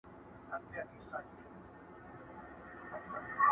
دا ریښتونی تر قیامته شک یې نسته په ایمان کي،